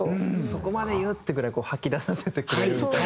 「そこまで言う？」ってぐらい吐き出させてくれるみたいな。